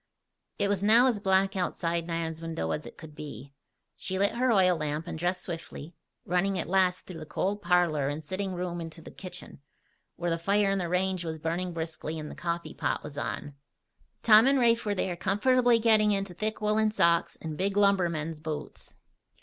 It was now as black outside Nan's window as it could be. She lit her oil lamp and dressed swiftly, running at last through the cold parlor and sitting room into the kitchen, where the fire in the range was burning briskly and the coffee pot was on. Tom and Rafe were there comfortably getting into thick woolen socks and big lumbermen's boots.